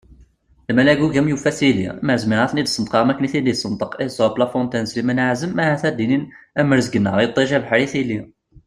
Lmal agugam yufa tili, lemmer zmireɣ ad ten-id-sneṭqeɣ am akken i ten-id-yessenṭeq Esope, La Fontaine d Slimane Ɛazem ahat ad d-inin : am rrezg-nneɣ iṭij, abeḥri, tili!